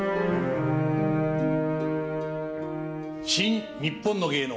「新・にっぽんの芸能」。